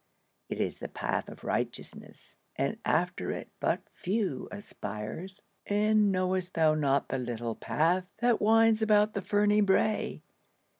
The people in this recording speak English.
It is the path of righteousness, And after it but few aspires. "And know'st thou not the little path That winds about the ferny brae?